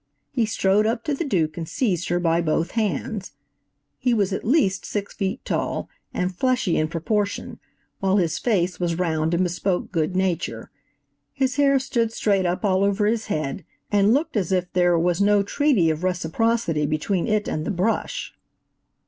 He strode up to the Duke and seized her by both hands. He was at least six feet tall and fleshy in proportion, while his face was round and bespoke good nature. His hair stood straight up all over his head, and looked as if there was no treaty of reciprocity between it and the brush.